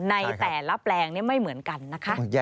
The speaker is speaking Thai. ในแต่ละแปลงนี้ไม่เหมือนกันนะคะ